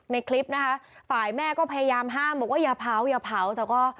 ในคลิปนะคะฝ่ายแม่ก็พยายามห้ามบอกว่าอย่าเผาอย่าเผาแต่ก็